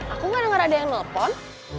aku gak denger ada yang nelpon